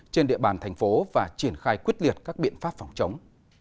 trên địa bàn thành phố và triển khai quyết liệt các biện pháp phòng chống